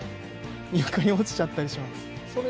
床に落ちちゃったりします。